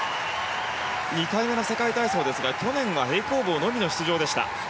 ２回目の世界体操ですが去年は平行棒のみの出場でした。